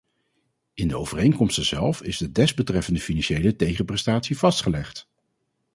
In de overeenkomsten zelf is de desbetreffende financiële tegenprestatie vastgelegd.